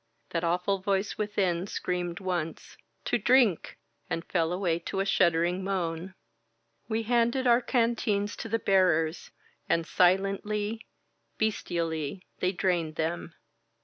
That awful voice within screamed once, "To drink !" and fell away to a shuddering moan. We handed our canteens to the bearers — ^and silently, bestially, they drained them.